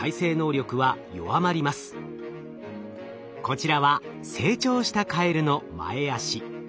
こちらは成長したカエルの前足。